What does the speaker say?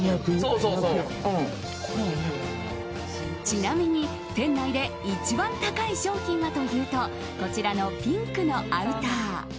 ちなみに店内で一番高い商品はというとこちらのピンクのアウター。